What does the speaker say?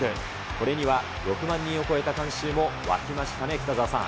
これには６万人を超えた観衆も沸きましたね、北澤さん。